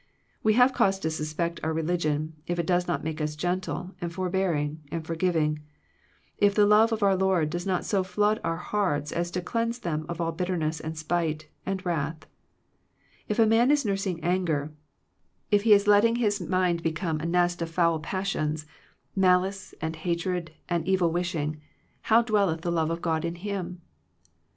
We have cause to suspect our religion, if it does not make us gentle, and for bearing, and forgiving; if the love of our Lord does not so flood our hearts as to cleanse them of all bitterness, and spite, and wrath. If a man is nursing anger, if he is letting his mind become a nest 183 Digitized by VjOOQIC THE RENEWING OF FRIENDSHIP of foul passions, malice, and hatred, and evil wishing, how dwelleth the love of God in him ?